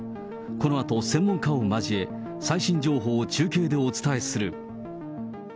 このあと、専門家を交え、最新情報を中継でお伝えする。